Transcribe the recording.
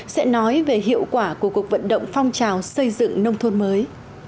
sẽ nói về hiệu quả của cuộc vận động phong trào xây dựng nông thôn mới